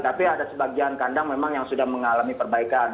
tapi ada sebagian kandang memang yang sudah mengalami perbaikan